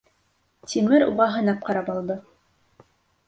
Тимер уға һынап ҡарап алды.